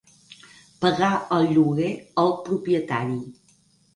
Pagar el lloguer al propietari.